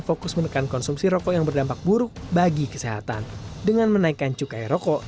fokus menekan konsumsi rokok yang berdampak buruk bagi kesehatan dengan menaikkan cukai rokok